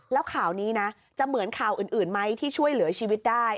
แล้วข่าวนี้นะจะเหมือนข่าวอื่นไหมที่ช่วยเหลือชีวิตได้